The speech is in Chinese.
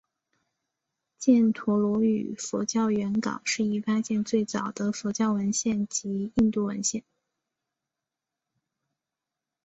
犍陀罗语佛教原稿是已发现最早的佛教文献及印度文献。